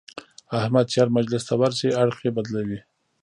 احمد چې هر مجلس ته ورشي اړخ یې بدلوي.